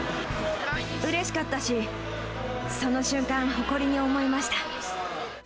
うれしかったし、その瞬間、誇りに思いました。